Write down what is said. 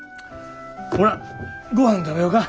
ほなごはん食べよか。